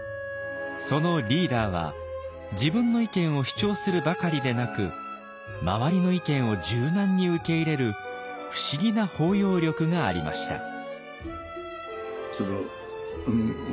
そのリーダーは自分の意見を主張するばかりでなく周りの意見を柔軟に受け入れる不思議な包容力がありました。